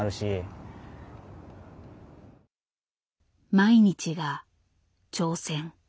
毎日が挑戦。